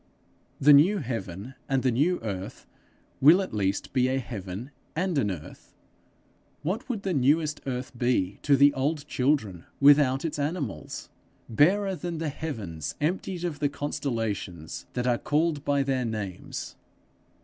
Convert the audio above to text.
The new heaven and the new earth will at least be a heaven and an earth! What would the newest earth be to the old children without its animals? Barer than the heavens emptied of the constellations that are called by their names.